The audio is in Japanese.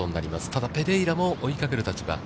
ただ、ペレイラも追いかける立場。